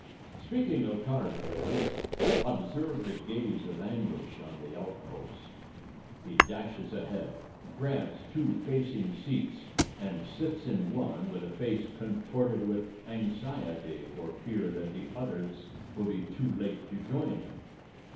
Speaking of card players, observe the gaze of anguish on the outpost. He dashes ahead, grabs two facing seats and sits in one with a face contorted with anxiety for fear that the others will be too late to join him.